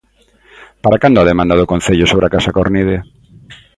Para cando a demanda do Concello sobre a Casa Cornide?